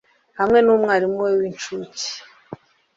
hamwe numwarimu we w'incuke